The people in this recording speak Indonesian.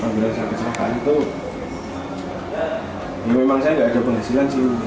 bila saya kecerakaan itu ya memang saya nggak ada penghasilan sih